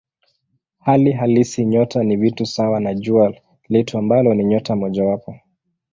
Hali halisi nyota ni vitu sawa na Jua letu ambalo ni nyota mojawapo.